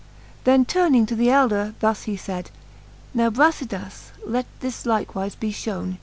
Then turning to the elder thus he fayd ; Now, Bracidas, let this likewife be fliowne.